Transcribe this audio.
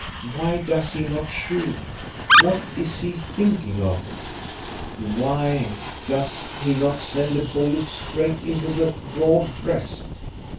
Why does he not shoot? What is he thinking of? Why does he not send a bullet straight into the broad breast?